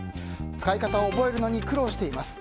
使い方を覚えるの苦労しています。